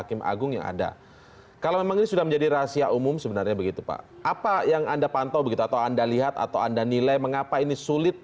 saya sudah mengatakan beberapa hal tersebut